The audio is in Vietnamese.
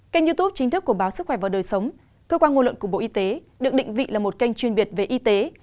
kênh youtube chính thức của báo sức khỏe và đời sống cơ quan ngôn luận của bộ y tế được định vị là một kênh chuyên biệt về y tế